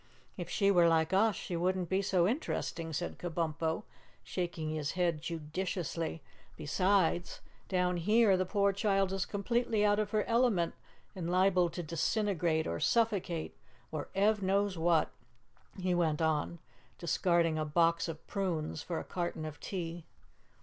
"If she were like us, she wouldn't be so interesting," said Kabumpo, shaking his head judiciously. "Besides, down here the poor child is completely out of her element and liable to disintegrate or suffocate or Ev knows what " he went on, discarding a box of prunes for a carton of tea.